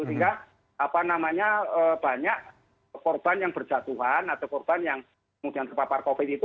sehingga banyak korban yang berjatuhan atau korban yang kemudian terpapar covid itu